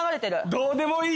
どうでもいい。